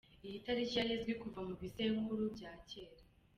Iyi tariki yari izwi kuva mu bisekuru bya cyera….